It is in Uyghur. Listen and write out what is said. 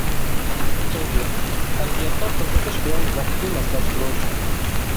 ئىككىنچى، ئەدەبىياتقا قىزىقىش بىلەن ۋاقىتنى ماسلاشتۇرۇش.